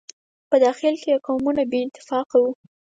په داخل کې یې قومونه بې اتفاقه وو.